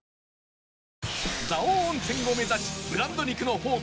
蔵王温泉を目指しブランド肉の宝庫